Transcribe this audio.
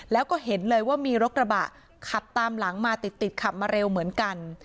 แล้วก็เห็นเลยว่ามีรถกระบะขับตามหลังมาติดติดขับมาเร็วเหมือนกัน